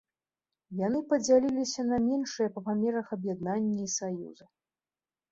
Яны падзяляліся на меншыя па памерах аб'яднанні і саюзы.